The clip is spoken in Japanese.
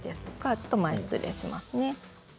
ちょっと失礼しますね。